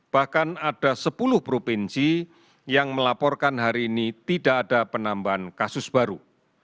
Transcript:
bahkan ada sepuluh provinsi yang melaporkan hari ini tidak ada penambahan kasus baru